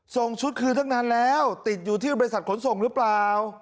ส่งชุดคืนตั้งนานแล้วติดอยู่ที่บริษัทขนส่งหรือเปล่า